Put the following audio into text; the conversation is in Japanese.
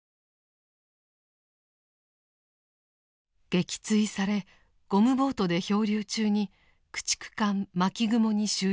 撃墜されゴムボートで漂流中に駆逐艦「巻雲」に収容されました。